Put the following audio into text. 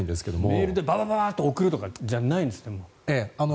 メールでバババッと送るとかじゃないんですね。